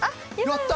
やった！